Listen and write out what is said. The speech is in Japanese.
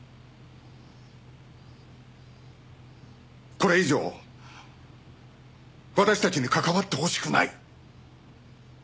これ以上私たちに関わってほしくない！